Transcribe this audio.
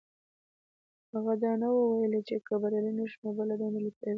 هغه دا نه وو ويلي چې که بريالی نه شو نو بله دنده لټوي.